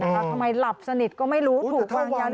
ทำไมหลับสนิทก็ไม่รู้ถูกวางยานรึเปล่า